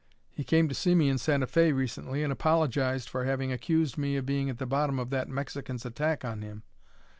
He came to see me in Santa Fe recently, and apologized for having accused me of being at the bottom of that Mexican's attack on him.